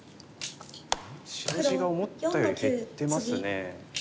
白地が思ったより減ってますね。